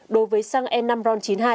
đối với xăng e năm ron chín mươi hai